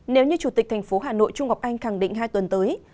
nếu như chủ tịch tp hà nội trung ngọc anh khẳng định hai tuần tới